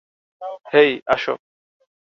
হেই, আসো!